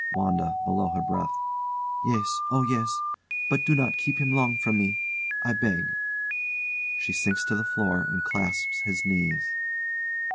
WANDA. [Below her breath] Yes! Oh, yes! But do not keep him long from me I beg! [She sinks to the floor and clasps his knees.